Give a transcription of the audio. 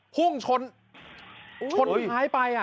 พุ่งชนชนท้ายไปอ่ะ